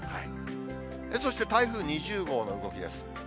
そして、台風２０号の動きです。